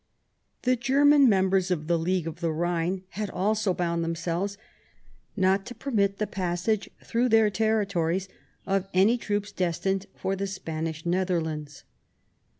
The German members of the League of the Ehine had also bound themselves not to permit the passage through their territories of any troops destined for the Spanish Nether lands.